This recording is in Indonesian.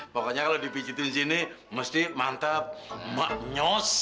pokoknya kalau dipicitin sini mesti mantep maknyos